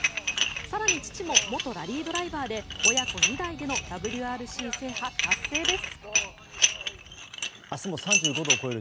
更に父も元ラリードライバーで親子２代でのＷＲＣ制覇達成です。